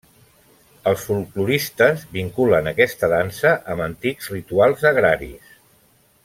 Els folkloristes vinculen aquesta dansa amb antics rituals agraris.